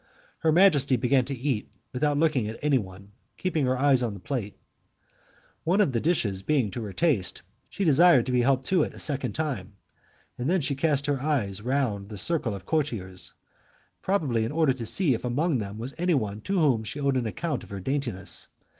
Her majesty began to eat without looking at anyone, keeping her eyes on her plate. One of the dishes being to her taste, she desired to be helped to it a second time, and she then cast her eyes round the circle of courtiers, probably in order to see if among them there was anyone to whom she owed an account of her daintiness.